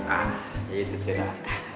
ah itu sih